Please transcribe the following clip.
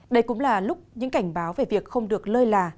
đây cũng là lúc những cảnh báo về việc không được lơi là